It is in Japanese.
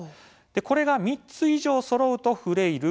これが３つ以上そろうとフレイル。